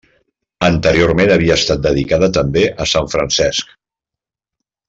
Anteriorment havia estat dedicada també a Sant Francesc.